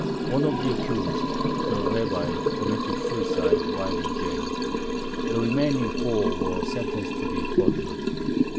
One of the accused, the rabbi, committed suicide while in jail. The remaining four were sentenced to be quartered.